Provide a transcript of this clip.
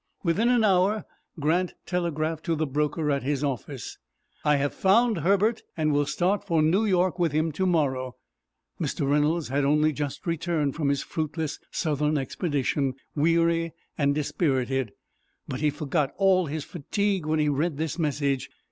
Within an hour, Grant telegraphed to the broker at his office: "I have found Herbert, and will start for New York with him to morrow." Mr. Reynolds had only just returned from his fruitless Southern expedition, weary and dispirited. But he forgot all his fatigue when he read this message.